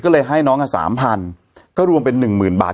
ก็เลยให้น้อง๓๐๐๐ก็รวมเป็น๑๐๐๐๐บาท